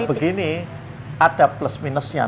jadi ini ada plus minusnya